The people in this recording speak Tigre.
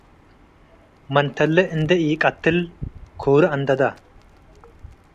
መንተሌ እንዴ ኢቀትል ኮሩ አንደደ።